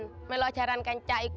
saya mau melakukan jaran kencak